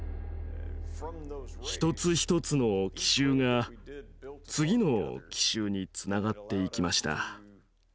一つ一つの奇襲が次の奇襲につながっていきました。